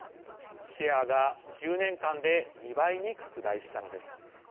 シェアが１０年間で２倍に拡大したのです。